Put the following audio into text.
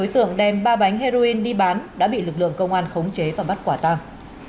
thêm ba bánh heroin đi bán đã bị lực lượng công an khống chế và bắt quả tàng